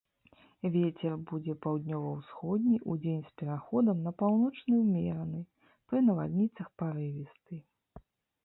Вецер будзе паўднёва-ўсходні, удзень з пераходам на паўночны ўмераны, пры навальніцах парывісты.